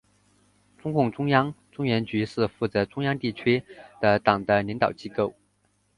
中共中央中原局是负责中央地区的党的领导机构。